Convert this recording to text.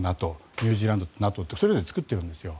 ニュージーランドとＮＡＴＯってそれぞれ作っているんですよ。